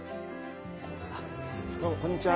どうもこんにちは。